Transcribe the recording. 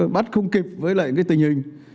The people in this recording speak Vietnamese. bắt không kịp với lại cái tình hình